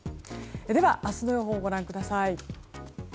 では、明日の予報をご覧ください。